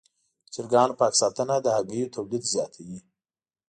د چرګانو پاک ساتنه د هګیو تولید زیاتوي.